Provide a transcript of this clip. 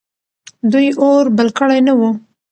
دوی اور بل کړی نه و.